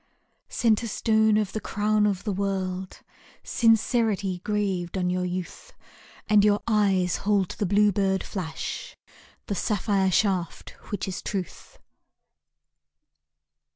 ..... Centre Stone of the Crown of the World, "Sincerity" graved on your youth! And your eyes hold the blue bird flash, The sapphire shaft, which is truth.